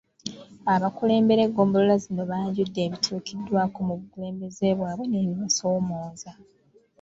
Abakulembera eggombolola zino banjudde ebituukiddwako mu bukulembeze bwabwe n’ebibasoomooza.